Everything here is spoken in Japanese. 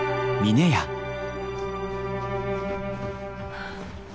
はあ。